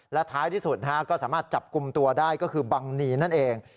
และท้ายที่สุดก็สามารถจับกลุ่มตัวได้ก็คือบังนีนั่นเอง